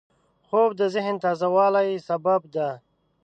خوب د ذهن تازه والي سبب دی